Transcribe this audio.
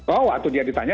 oh waktu dia ditanya